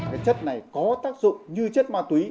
cái chất này có tác dụng như chất ma túy